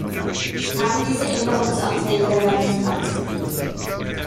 Ich kann diese Änderungsanträge daher nicht akzeptieren.